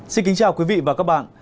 xin kính chào quý vị và các bạn